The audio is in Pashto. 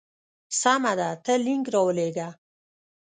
سمه ده ته لینک راولېږه.